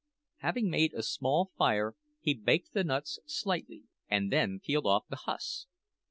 Having made a small fire, he baked the nuts slightly and then peeled off the husks.